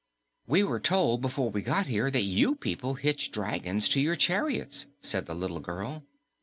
"We were told before we got here that you people hitch dragons to your chariots," said the little girl.